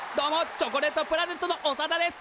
チョコレートプラネットのオサダです！